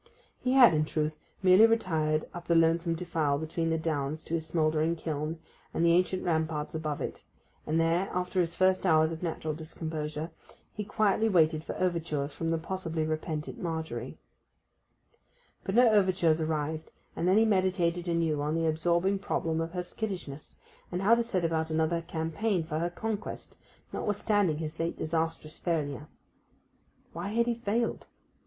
He had, in truth, merely retired up the lonesome defile between the downs to his smouldering kiln, and the ancient ramparts above it; and there, after his first hours of natural discomposure, he quietly waited for overtures from the possibly repentant Margery. But no overtures arrived, and then he meditated anew on the absorbing problem of her skittishness, and how to set about another campaign for her conquest, notwithstanding his late disastrous failure. Why had he failed?